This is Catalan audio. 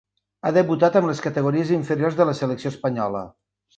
Ha debutat amb les categories inferiors de la selecció espanyola.